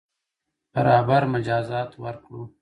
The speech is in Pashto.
برابر مجازات ورکړو.